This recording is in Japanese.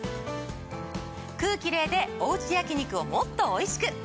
クーキレイでおうち焼き肉をもっとおいしく！